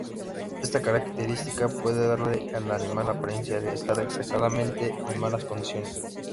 Esta característica puede darle al animal la apariencia de estar exageradamente en malas condiciones.